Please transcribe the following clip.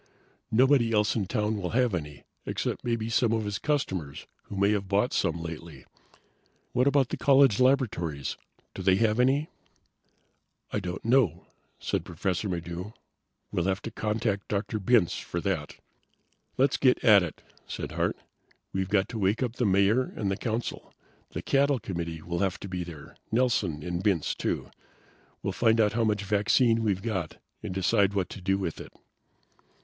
Nobody else in town will have any, except maybe some of his customers who may have bought some lately. What about the college laboratories? Do they have any?" "I don't know," said Professor Maddox. "We'll have to contact Dr. Bintz for that." "Let's get at it," said Hart. "We've got to wake up the Mayor and the Council. The cattle committee will have to be there. Nelson and Bintz, too. We'll find out how much vaccine we've got and decide what to do with it."